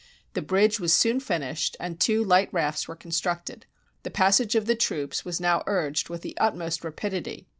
The bridge was soon finished, and two light rafts were constructed. The pas sage of the troops was now urged with the utmost rapid ity.